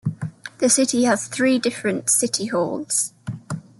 The city has three different City Halls.